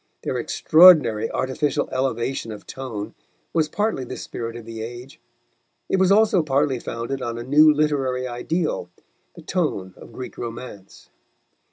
Their extraordinary artificial elevation of tone was partly the spirit of the age; it was also partly founded on a new literary ideal, the tone of Greek romance.